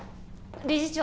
理事長